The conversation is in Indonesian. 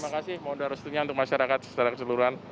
terima kasih mohon darah setunya untuk masyarakat secara keseluruhan